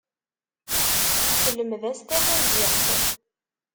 Tesselmed-as tamaziɣt.